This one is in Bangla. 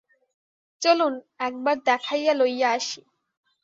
চলুন, একবার দেখাইয়া লইয়া আসি।